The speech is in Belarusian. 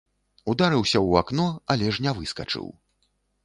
Ударыўся ў акно, але ж не выскачыў.